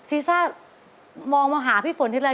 ซีซ่ามองมาหาพี่ฝนทีไร